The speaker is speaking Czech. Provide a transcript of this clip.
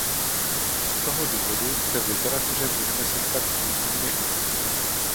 Z toho důvodu se v literatuře můžeme setkat s různými údaji.